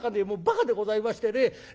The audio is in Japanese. もうばかでございましてね。